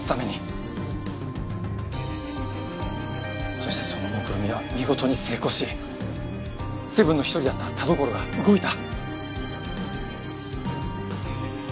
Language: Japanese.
そしてそのもくろみは見事に成功しセブンの一人だった田所が動いた。